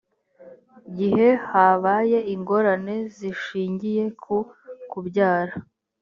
gihe habaye ingorane zishingiye ku kubyara